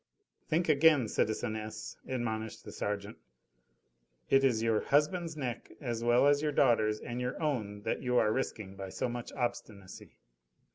"Think again, citizeness," admonished the sergeant, "it is your husband's neck as well as your daughter's and your own that you are risking by so much obstinacy."